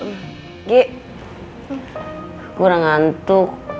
gue gak ngantuk